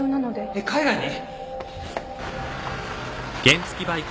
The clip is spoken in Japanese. えっ海外に？